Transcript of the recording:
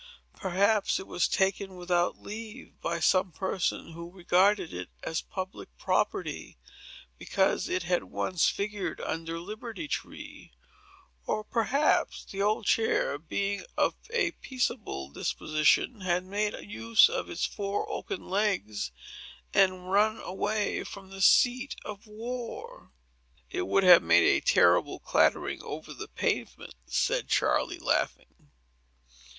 Perhaps it was taken, without leave, by some person who regarded it as public property, because it had once figured under Liberty Tree. Or, perhaps, the old chair, being of a peaceable disposition, had made use of its four oaken legs, and run away from the seat of war. "It would have made a terrible clattering over the pavement," said Charley, laughing.